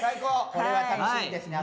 これは楽しみですね